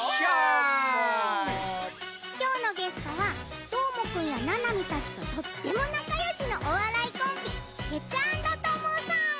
きょうのゲストはどーもくんやななみたちととってもなかよしのおわらいコンビテツａｎｄトモさん。